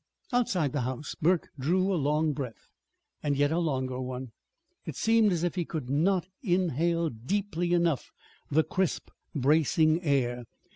Outside the house Burke drew a long breath, and yet a longer one. It seemed as if he could not inhale deeply enough the crisp, bracing air.